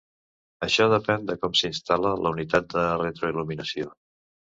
Això depèn de com s'instal·la la unitat de retroil·luminació.